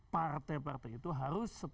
partai partai itu harus seperti itu